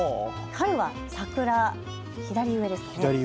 春は桜、左上ですかね。